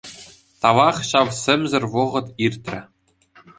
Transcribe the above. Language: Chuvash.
Тавах, ҫав сӗмсӗр вӑхӑт иртрӗ.